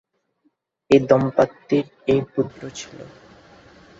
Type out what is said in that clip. এ দম্পতির এ পুত্র ছিল।